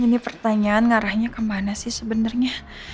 ini pertanyaan ngarahnya kemana sih sebenarnya